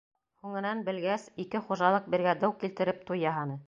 Һуңынан, белгәс, ике хужалыҡ бергә дыу килтереп туй яһаны.